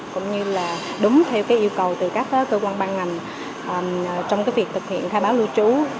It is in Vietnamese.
cũng như là đúng theo yêu cầu từ các cơ quan ban ngành trong cái việc thực hiện khai báo lưu trú